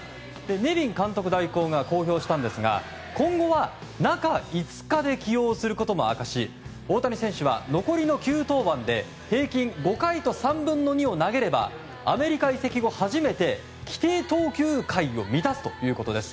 ネビン監督代行が公表したんですが今後は中５日で起用することも明かし大谷選手は残りの９登板で平均５回と３分の２を投げればアメリカ移籍後初めて規定投球回を満たすということです。